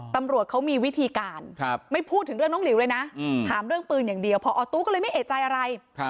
ตำรวจเขามีวิธีการไม่พูดถึงเรื่องน้องหลิวเลยนะถามเรื่องปืนอย่างเดียวพอตู้ก็เลยไม่เอกใจอะไร